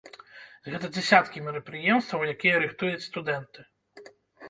Гэта дзясяткі мерапрыемстваў, якія рыхтуюць студэнты.